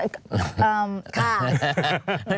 ค่ะเอ่อค่ะ